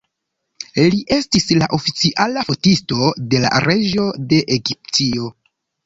Li estis la oficiala fotisto de la reĝo de Egiptio.